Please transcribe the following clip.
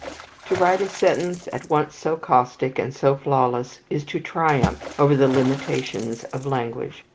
To write a sentence at once so caustic and so flawless is to triumph over the limitations of language.